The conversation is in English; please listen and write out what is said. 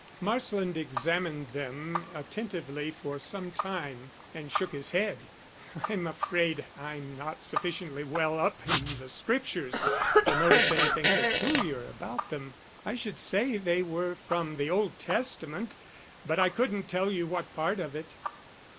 Marsland examined them attentively for some time, and shook his head. "I'm afraid I'm not sufficiently well up in the Scriptures to notice anything peculiar about them. I should say they were from the Old Testament, but I couldn't tell you what part of it."